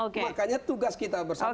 makanya tugas kita bersama